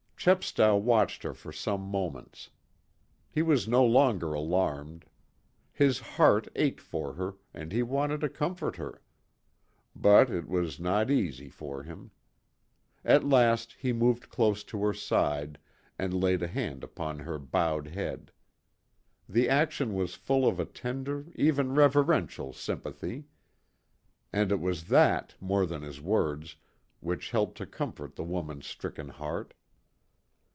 Chepstow watched her for some moments. He was no longer alarmed. His heart ached for her, and he wanted to comfort her. But it was not easy for him. At last he moved close to her side, and laid a hand upon her bowed head. The action was full of a tender, even reverential sympathy. And it was that, more than his words, which helped to comfort the woman's stricken heart.